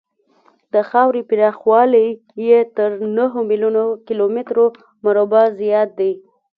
د خاورې پراخوالی یې تر نهو میلیونو کیلومترو مربعو زیات دی.